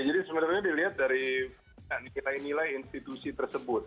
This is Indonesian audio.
jadi sebenarnya dilihat dari nilai nilai institusi tersebut